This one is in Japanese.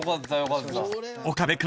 ［岡部君